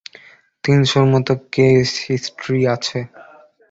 তিন শর মতো case history আছে।